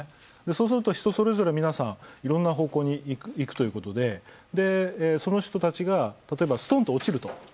そうすると、人それぞれがいろんな方向に行くということでその人たちが、例えばすとんと落ちると。